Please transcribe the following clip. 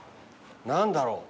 何だろう？